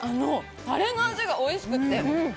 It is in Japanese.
タレがおいしくて。